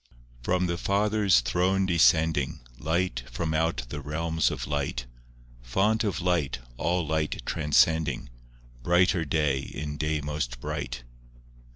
I From the Father's throne descending, Light from out the realms of light; Font of light, all light transcending, Brighter day in day most bright.